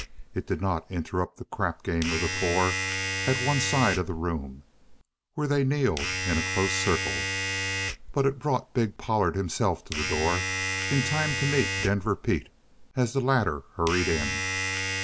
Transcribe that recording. It did not interrupt the crap game of the four at one side of the room, where they kneeled in a close circle. But it brought big Pollard himself to the door in time to meet Denver Pete as the latter hurried in.